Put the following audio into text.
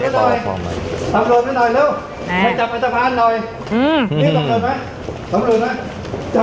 ดำรวจมาหน่อยเร็ว